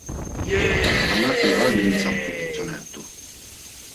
Vanati var nintzamt̆u ditzonert̆u.